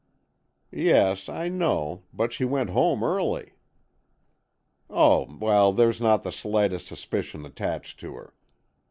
"Yes, I know, but she went home early." "Oh, well, there's not the slightest suspicion attached to her.